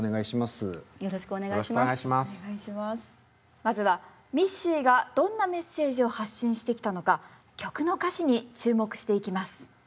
まずはミッシーがどんなメッセージを発信してきたのか曲の歌詞に注目していきます。